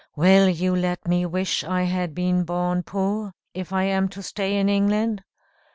Will you let me wish I had been born poor, if I am to stay in England?